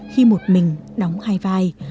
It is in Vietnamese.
khi một mình đóng hai vai